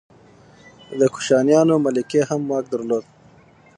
د کوشانیانو ملکې هم واک درلود